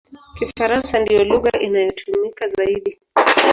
Kifaransa ndiyo lugha inayotumika zaidi.